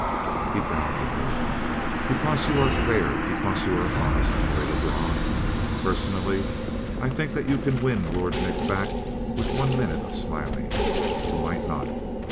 He bowed to her. "Because you are fair; because you are honest, Nelly Lebrun. Personally I think that you can win Lord Nick back with one minute of smiling. But you might not.